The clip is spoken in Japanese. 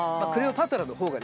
パトラのほうが？